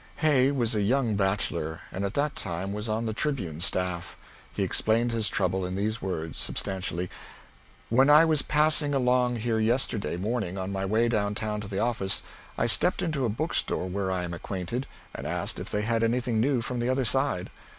Hay was a young bachelor, and at that time was on the "Tribune" staff. He explained his trouble in these words, substantially: "When I was passing along here yesterday morning on my way down town to the office, I stepped into a bookstore where I am acquainted, and asked if they had anything new from the other side.